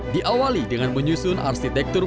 diawali dengan menyusun arsitektur